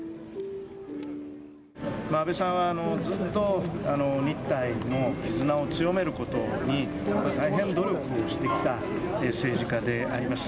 安倍さんはずっと、日台の絆を強めることに、大変努力をしてきた政治家であります。